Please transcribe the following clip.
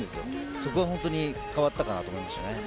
そこは本当に変わったかと思いますね。